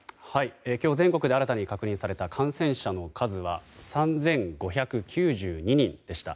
今日全国で新たに確認された感染者の数は３５９２人でした。